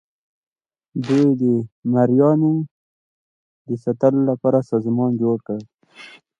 دوی د مرئیانو د ساتلو لپاره سازمان جوړ کړ.